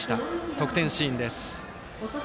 得点シーンです。